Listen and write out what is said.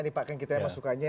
rifana pratiwi jakarta